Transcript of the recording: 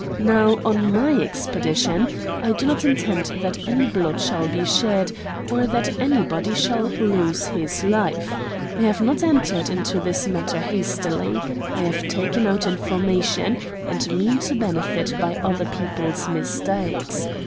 Now, on my expedition, I do not intend that any blood shall be shed, or that anybody shall lose his life. I have not entered into this matter hastily. I have taken out information, and mean to benefit by other people's mistakes.